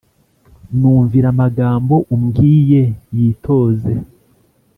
numvira amagambo umbwiye yitoze